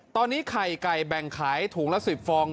ตอนนี้ไข่ไก่แบ่งขายถุงละ๑๐ฟอง